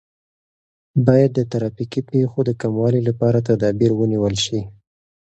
باید د ترافیکي پیښو د کموالي لپاره تدابیر ونیول سي.